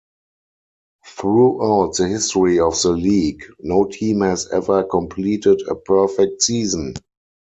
Throughout the history of the league, no team has ever completed a perfect season.